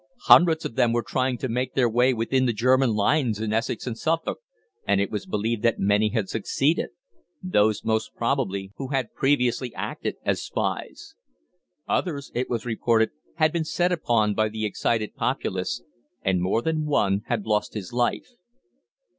Hundreds of them were trying to make their way within the German lines in Essex and Suffolk, and it was believed that many had succeeded those, most probably, who had previously acted as spies. Others, it was reported, had been set upon by the excited populace, and more than one had lost his life.